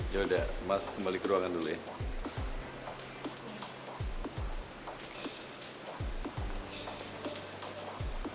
yaudah mas kembali ke ruangan dulu ya